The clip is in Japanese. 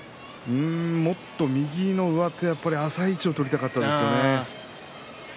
もっと右の上手は浅い位置を取りたかったですね。